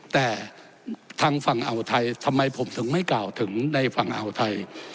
แต่ทางฝั่งอ่าวไทยทำไมผมถึงไม่กล่าวถึงในฝั่งอ่าวไทย